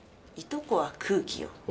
いとこは空気よ。